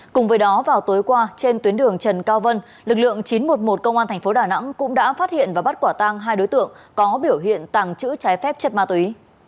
cùng với đó vào tối qua trên tuyến đường trần cao vân lực lượng chín trăm một mươi một công an tp đà nẵng cũng đã phát hiện và bắt quả tang hai đối tượng có biểu hiện tàng trữ trái phép chất ma túy